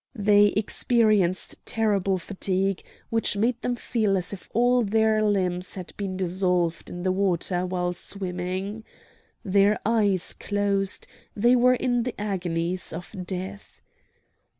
They experienced terrible fatigue, which made them feel as if all their limbs had been dissolved in the water while swimming. Their eyes closed; they were in the agonies of death.